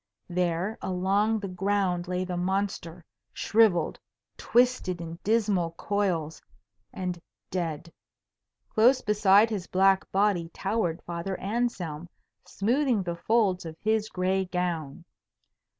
There along the ground lay the monster, shrivelled, twisted in dismal coils, and dead. Close beside his black body towered Father Anselm, smoothing the folds of his gray gown.